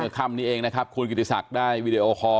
ค่ำนี้เองนะครับคุณกิติศักดิ์ได้วีดีโอคอล